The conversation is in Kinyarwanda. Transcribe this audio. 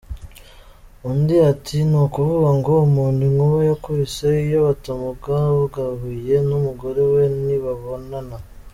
Undi ati “Ni ukuvuga ngo umuntu inkuba yakubise iyo batamugangahuye n’umugore we ntibabonana.